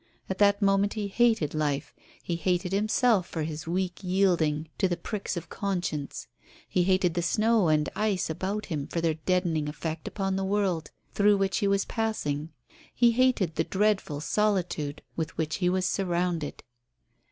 At that moment he hated life; he hated himself for his weak yielding to the pricks of conscience; he hated the snow and ice about him for their deadening effect upon the world through which he was passing; he hated the dreadful solitude with which he was surrounded.